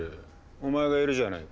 お前がいるじゃないか。